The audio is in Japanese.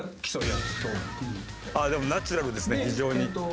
でもナチュラルですね非常に。